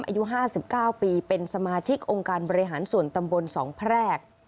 อายุ๕๙ปีเป็นสมาชิกองค์การบริหารส่วนตำบล๒แพรก